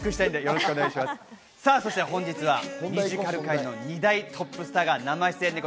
本日はミュージカル界の２大トップスターが生出演です。